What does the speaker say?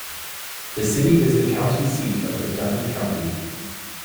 The city is the county seat of McDuffie County.